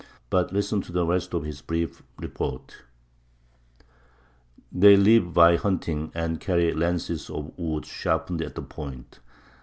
But listen to the rest of his brief report: They live by hunting, and carry lances of wood sharpened at the point.